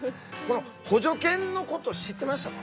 この補助犬のこと知ってましたか？